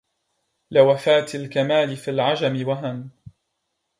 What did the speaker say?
لوفاة الكمال في العجم وهن